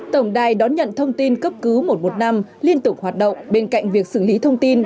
tổng đài đón nhận thông tin cấp cứu một trăm một mươi năm liên tục hoạt động bên cạnh việc xử lý thông tin